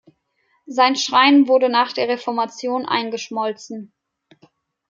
Sein Schrein wurde nach der Reformation eingeschmolzen.